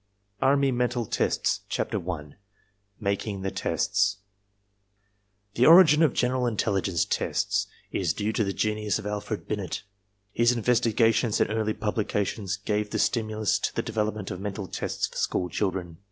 ARMY MENTAL TESTS CHAPTER I MAKING THE TESTS The origin of general intelligence tests is due to the genius of Alfred Binet. His investigations and early publications gave the stimulus to the development of mental tests for school children.